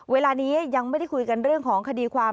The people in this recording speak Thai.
เวลานี้ยังไม่ได้คุยกันเรื่องของคดีความ